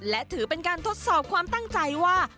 และถือเป็นการทดสอบความตั้งใจว่า